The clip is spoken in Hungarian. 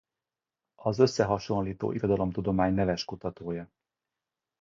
Az összehasonlító irodalomtudomány neves kutatója.